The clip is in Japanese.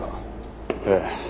ええ。